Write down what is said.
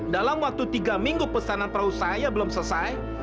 dalam waktu tiga minggu pesanan perahu saya belum selesai